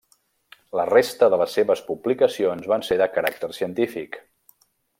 La resta de les seves publicacions van ser de caràcter científic.